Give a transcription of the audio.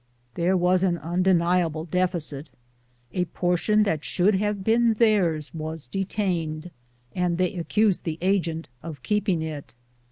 There was an undeniable deficit. A portion that should have been theirs was detained, and they accused the agent of keeping it.